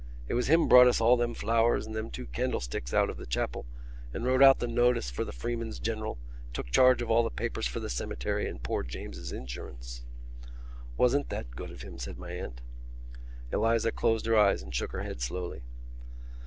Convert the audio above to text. It was him brought us all them flowers and them two candlesticks out of the chapel and wrote out the notice for the Freeman's General and took charge of all the papers for the cemetery and poor James's insurance." "Wasn't that good of him?" said my aunt. Eliza closed her eyes and shook her head slowly.